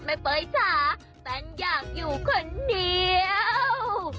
แม่เป้อยสาวแปลนอยากอยู่คนเดียว